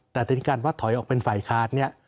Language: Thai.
แต่ทีนี้การว่าถอยออกเป็นฝ่ายค้านเนี่ย